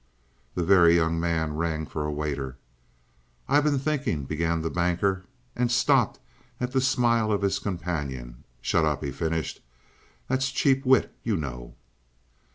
The Very Young Man rang for a waiter. "I've been thinking " began the Banker, and stopped at the smile of his companion. "Shut up!" he finished "that's cheap wit, you know!"